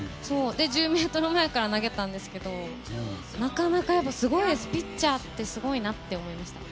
１０ｍ前から投げたんですけどなかなか、やっぱりピッチャーってすごいなって思いました。